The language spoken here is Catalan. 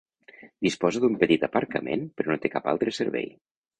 Disposa d'un petit aparcament però no té cap altre servei.